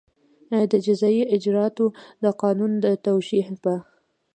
د جزایي اجراآتو د قانون د توشېح په